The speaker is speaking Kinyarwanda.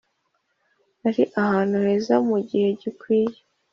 nari ahantu heza mugihe gikwiye.